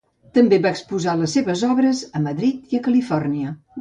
També va exposar les seves obres a Madrid i a Califòrnia.